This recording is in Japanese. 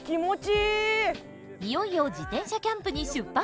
いよいよ自転車キャンプに出発！